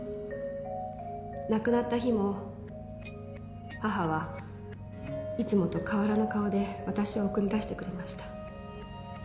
亡くなった日も母はいつもと変わらぬ顔で私を送り出してくれました。